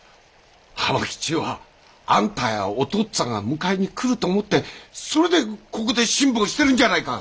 浜吉はあんたやお父っつぁんが迎えにくると思ってそれでここで辛抱してるんじゃないか。